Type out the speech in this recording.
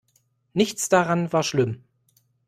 Nichts daran war schlimm.